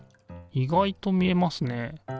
意外と見えますねえ。